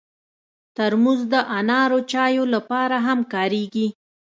ترموز د انارو چایو لپاره هم کارېږي.